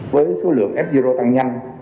với số lượng f tăng nhanh